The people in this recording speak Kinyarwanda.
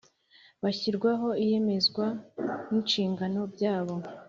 Bashyirwaho iyemezwa n inshingano byabo